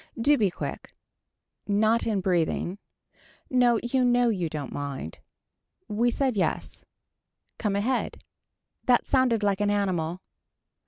Do be quick. Not in breathing. No you know you don't mind. We said yes. Come ahead. That sounded like an animal.